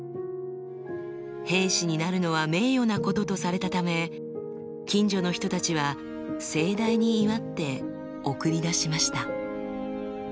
兵士になるのは名誉なこととされたため近所の人たちは盛大に祝って送り出しました。